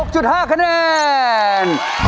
๒๒๗คะแนนเท่ากันเลย